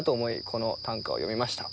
この短歌を詠みました。